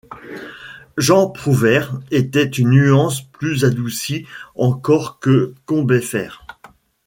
Jean Prouvaire était une nuance plus adoucie encore que Combeferre.